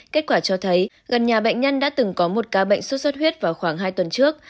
kết quả cho thấy gần nhà bệnh nhân đã từng có một ca bệnh sốt xuất huyết vào khoảng hai tuần trước